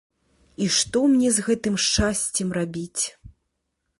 І што мне з гэтым шчасцем рабіць?